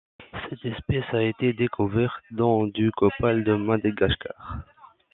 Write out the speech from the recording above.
Cette espèce a été découverte dans du copal de Madagascar.